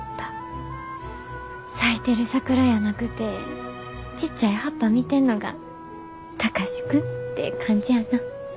咲いてる桜やなくてちっちゃい葉っぱ見てんのが貴司君って感じやな。